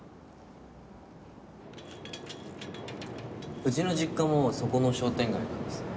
うちの実家もそこの商店街なんです。